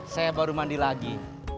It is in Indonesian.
saya baru mandi lagi